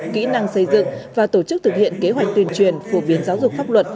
kỹ năng xây dựng và tổ chức thực hiện kế hoạch tuyên truyền phổ biến giáo dục pháp luật